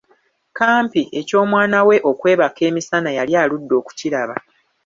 Kampi eky'omwana we okwebaka emisana yali aludde okukiraba.